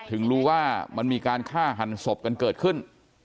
ถึงรู้ว่ามันมีการฆ่าหันศพกันเกิดขึ้น